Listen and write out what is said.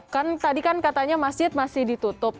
kan tadi kan katanya masjid masih ditutup